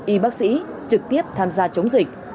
y bác sĩ trực tiếp tham gia chống dịch